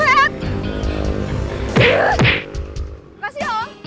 eeeeh makasih om